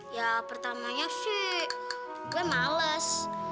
ya pertamanya sy gue males